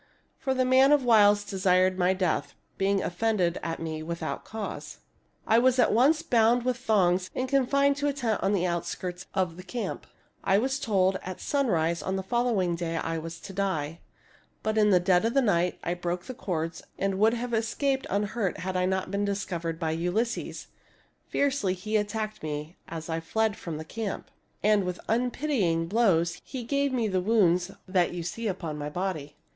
For the man of wiles desired my death, being offended at me without cause. THIRTY MORE FAM. STO. —^ lO 146 THIRTY MORE FAMOUS STORIES " I was at once bound with thongs and confined in a tent on the outskirts of the camp. I was told that at sunrise on the following day I was to die. But in the dead of night I broke the cords and would have escaped unhurt had I not been dis covered by Ulysses. Fiercely he attacked me as I fled from the camp, and with unpitying blows he gave me the wounds that you see upon my body.